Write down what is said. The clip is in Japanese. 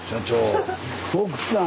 奥さん！